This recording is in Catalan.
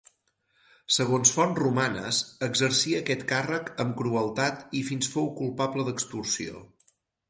Segons fonts romanes, exercí aquest càrrec amb crueltat i fins fou culpable d'extorsió.